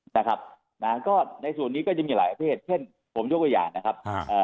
นะครับในส่วนนี้ก็จะมีหลายอเทศเช่นผมยกว่าอย่างนะครับ